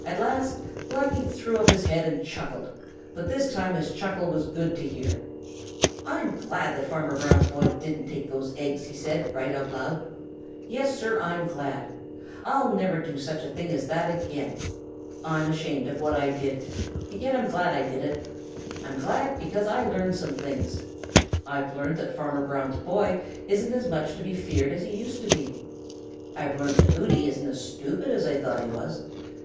At last Blacky threw up his head and chuckled, and this time his chuckle was good to hear. "I'm glad that Farmer Brown's boy didn't take those eggs," said he right out loud. "Yes, sir, I'm glad. I'll never do such a thing as that again. I'm ashamed of what I did; yet I'm glad I did it. I'm glad because I've learned some things. I've learned that Farmer Brown's boy isn't as much to be feared as he used to be. I've learned that Hooty isn't as stupid as I thought he was.